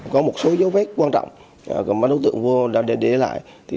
có một số dấu vết quan trọng mà đối tượng vua đã để lại